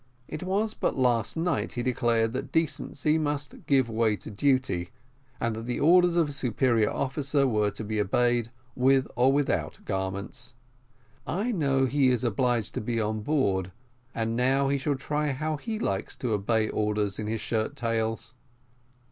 It was but last night he declared that decency must give way to duty, and that the orders of a superior officer were to be obeyed, with or without garments. I know he is obliged to be on board, and now he shall try how he likes to obey orders in his shirt tails.